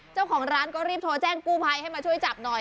เจ้าของร้านก็รีบโทรแจ้งกู้ภัยให้มาช่วยจับหน่อย